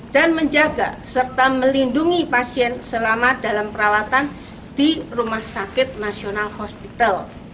dan menjaga serta melindungi pasien selama dalam perawatan di rumah sakit nasional hospital